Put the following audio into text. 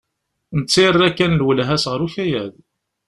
Netta yerra kan lwelha-s ɣer ukayad.